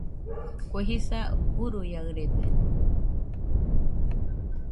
Kue jisa uruiaɨrede